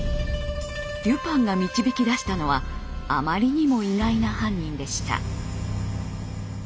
デュパンが導き出したのはあまりにも意外な犯人でした。